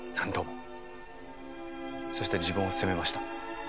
そして自分を責めました。